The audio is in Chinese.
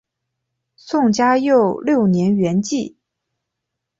宋嘉佑六年圆寂。